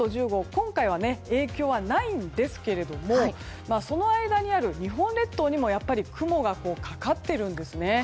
今回は影響はないんですけれどもその間にある日本列島にも雲がかかっているんですね。